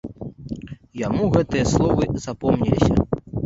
Яму гэтыя словы запомніліся.